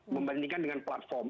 membandingkan dengan platform